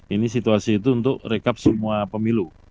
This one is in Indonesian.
ini situasi itu untuk rekap semua pemilu